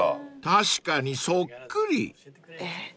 ［確かにそっくり］